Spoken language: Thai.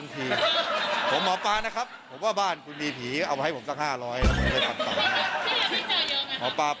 สวัสดีครับผม